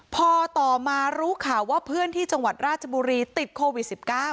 พอต่อมารู้ข่าวว่าเพื่อนที่จังหวัดราชบุรีติดโควิด๑๙